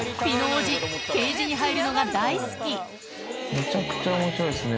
めちゃくちゃ面白いですね